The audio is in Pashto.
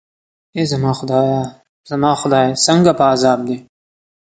ای زما خدایه، زما خدای، څنګه په عذاب دی.